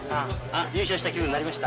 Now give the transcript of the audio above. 優勝した気分になりました？